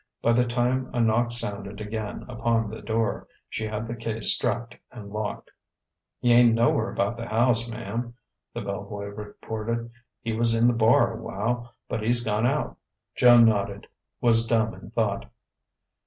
By the time a knock sounded again upon the door, she had the case strapped and locked. "He ain't nowhere about the house, ma'm," the bell boy reported. "He was in the bar a while, but he's went out." Joan nodded, was dumb in thought.